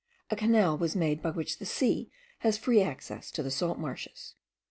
A canal was made by which the sea has free access to the salt marshes.